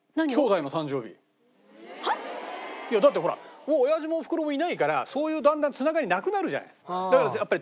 だからだってほらもう親父もおふくろもいないからそういうだんだん繋がりなくなるじゃない。